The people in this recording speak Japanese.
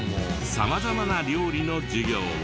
様々な料理の授業を。